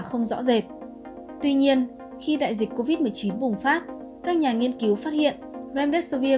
không rõ rệt tuy nhiên khi đại dịch covid một mươi chín bùng phát các nhà nghiên cứu phát hiện ramdes sovir